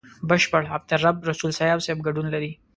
بشپړ عبدالرب رسول سياف صاحب ګډون لري.